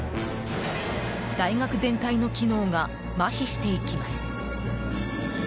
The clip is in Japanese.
大学全体の機能がまひしていきます。